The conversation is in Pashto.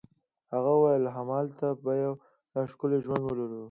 هغې وویل: همالته به یو ښکلی ژوند ولرو.